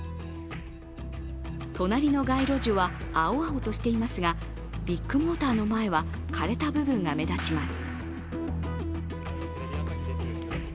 隣の街路樹は青々としていますが、ビッグモーターの前は枯れた部分が目立ちます。